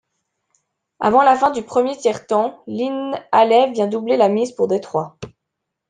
Avant la fin du premier tiers-temps, Len Haley vient doubler la mise pour Détroit.